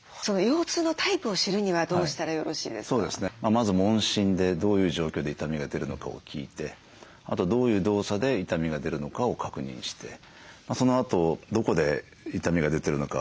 まず問診でどういう状況で痛みが出るのかを聞いてあとどういう動作で痛みが出るのかを確認してそのあとどこで痛みが出てるのか押して確認する。